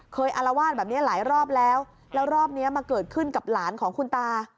อารวาสแบบนี้หลายรอบแล้วแล้วรอบนี้มาเกิดขึ้นกับหลานของคุณตา